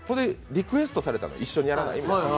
リクエストされたの、一緒にやらない？と。